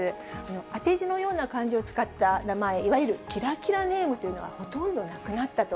当て字のような漢字を使った名前、いわゆるキラキラネームというのはほとんどなくなったと。